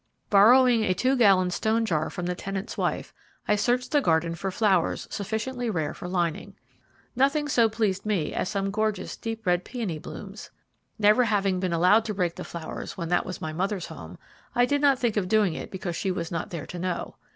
Borrowing a two gallon stone jar from the tenant's wife, I searched the garden for flowers sufficiently rare for lining. Nothing so pleased me as some gorgeous deep red peony blooms. Never having been allowed to break the flowers when that was my mother's home, I did not think of doing it because she was not there to know.